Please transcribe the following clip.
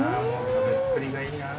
食べっぷりがいいな。